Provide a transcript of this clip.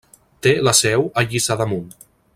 Té la seu a Lliçà d'Amunt.